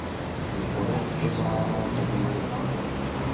Je orientována od jihu na sever.